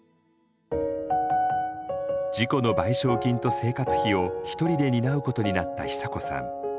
事故の賠償金と生活費を一人で担うことになった久子さん。